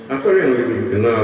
asal yang lebih kenal